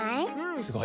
すごい。